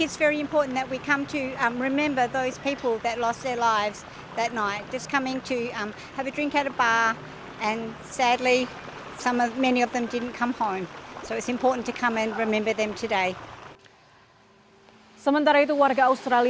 sementara itu warga australia dibawa ke tugu peringatan